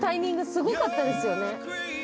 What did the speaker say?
すごかったですよね。